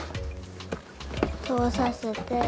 たおさせて。